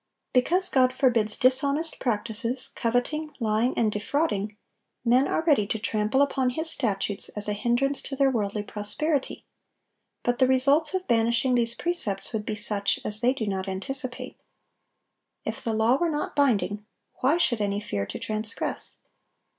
Because God forbids dishonest practices, coveting, lying, and defrauding, men are ready to trample upon His statutes as a hindrance to their worldly prosperity; but the results of banishing these precepts would be such as they do not anticipate. If the law were not binding, why should any fear to transgress?